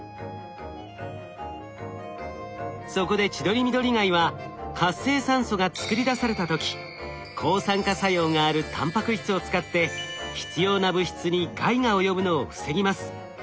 そこでチドリミドリガイは活性酸素が作り出された時抗酸化作用があるタンパク質を使って必要な物質に害が及ぶのを防ぎます。